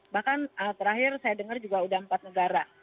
bahkan terakhir saya dengar juga sudah empat negara